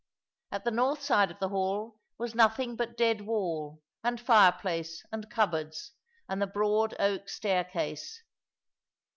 At the north side of the hall was nothing but dead wall, and fireplace, and cupboards, and the broad oak staircase.